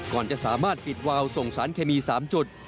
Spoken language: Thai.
ก่อนจะสามารถปิดวาวส่งสารเคมี๓จุด